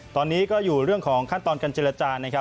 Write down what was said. ตอนนี้ก็อยู่เรื่องของขั้นตอนกันเจรจา